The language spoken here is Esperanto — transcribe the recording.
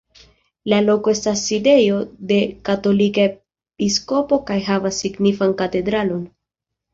La loko estas sidejo de katolika episkopo kaj havas signifan katedralon.